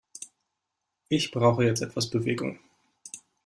Ich brauche jetzt etwas Bewegung.